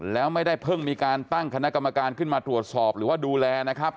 แล้วไม่ได้เพิ่งมีการตั้งคณะกรรมการขึ้นมาตรวจสอบหรือว่าดูแลนะครับ